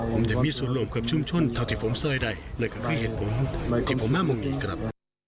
ผมจะมีสุโรมกับชุมช่วงเท่าที่ผมซ่อยได้และกับความเห็นผมที่ผมมามองนี่ครับ